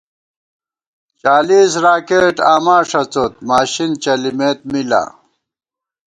چالیس راکېٹ آماݭڅوت، ماشِن چلِمېت می لا